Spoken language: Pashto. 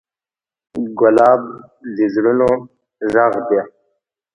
ګلاب د زړونو غږ دی.